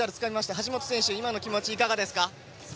橋本選手、今の気持ちいかがですか？